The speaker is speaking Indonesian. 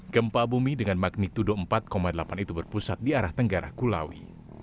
gempa bumi dengan magnitudo empat delapan itu berpusat di arah tenggara kulawi